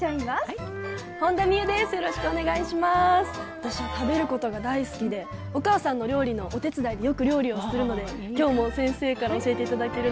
私は食べることが大好きでお母さんの料理のお手伝いでよく料理をするので今日も先生から教えて頂けるのすごく楽しみにしてます。